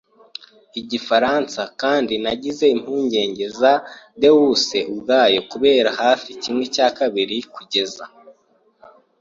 Igifaransa - kandi nagize impungenge za deuce ubwayo kubona hafi kimwe cya kabiri, kugeza